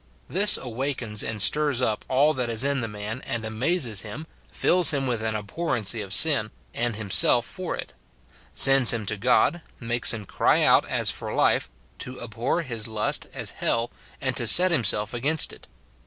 This awakens SIN IN BELIEVERS. 187 and stirs up all that is in the man, and amazes him, fills him with an ahhorrency of sin, and himself for it ; sends him to God, makes him cry out as for life, to abhor his lust as hell, and to set himself against it.